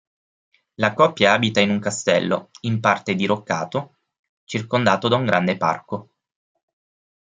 La coppia abita in un castello, in parte diroccato, circondato da un grande parco.